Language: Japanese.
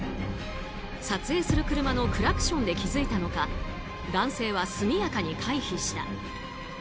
撮影する車のクラクションで気づいたのか男性は速やかに回避した。